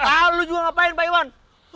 lalu lo juga ngapain pak iwan